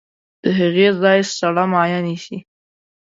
د هغې ځای سړه مایع نیسي.